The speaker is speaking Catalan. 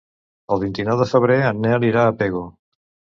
El vint-i-nou de febrer en Nel irà a Pego.